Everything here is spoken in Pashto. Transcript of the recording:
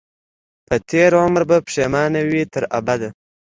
په تېر عمر به پښېمان وي تر ابده